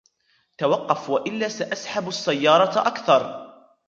توقف وإلا سأسحب السيارة اكثر.